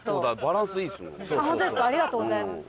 ありがとうございます。